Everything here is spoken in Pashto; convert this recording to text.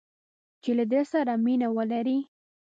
چې له ده سره مینه ولري